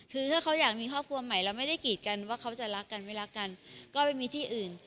คือถ้าเขาอยากมีครอบครัวใหม่เราไม่ได้กีดกันว่าเขาจะรักกันไม่รักกันก็ไปมีที่อื่น